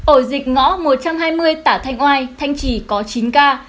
ổ dịch ngõ một trăm hai mươi tả thanh oai thanh trì có chín ca